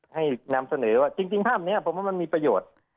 ให้นำเสนอว่าจริงภาพนี้ผมว่ามันมีประโยชน์